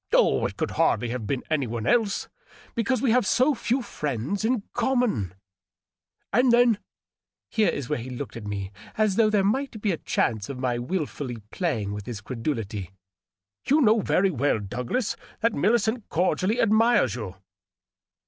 "Oh, it could hardly have been any one else, — because we have so few firiiends in common. And then" — here he looked at me as though there might be a chance of my wilfully playing with his credulity—^ " you know very well, Douglas, that Millicent cordially admires you."